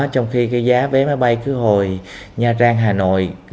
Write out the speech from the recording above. trong khi cái giá vé máy bay cứu hồi nha trang hà nội